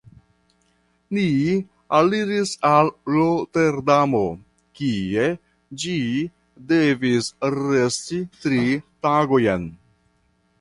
Ni aliris al Roterdamo, kie ĝi devis resti tri tagojn.